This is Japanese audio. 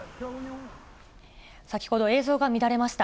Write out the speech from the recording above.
先ほど、映像が乱れました。